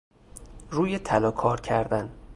روی طلا کار کردن